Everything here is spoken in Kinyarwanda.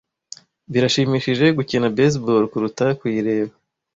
Birashimishije gukina baseball kuruta kuyireba.